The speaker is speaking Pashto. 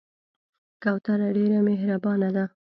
کوتره ډېر مهربانه ده.